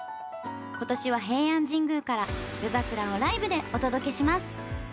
今年は平安神宮から夜桜をライブでお届けします。